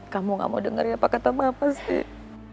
kamu gak mau dengerin apa kata mama sih